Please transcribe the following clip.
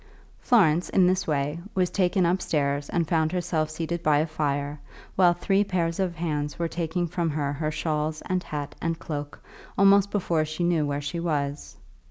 Florence, in this way, was taken upstairs and found herself seated by a fire, while three pairs of hands were taking from her her shawls and hat and cloak, almost before she knew where she was.